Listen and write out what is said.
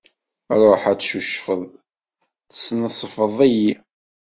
Ruḥ ad tcucfeḍ, tesnezfeḍ-iyi.